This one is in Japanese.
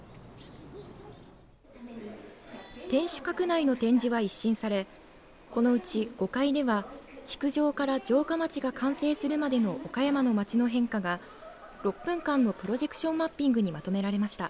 天守閣内の展示は一新されこのうち５階では築城から城下町が完成するまでの岡山の街の変化が６分間のプロジェクションマッピングにまとめられました。